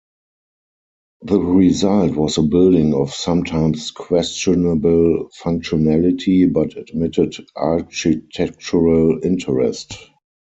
The result was a building of sometimes questionable functionality, but admitted architectural interest.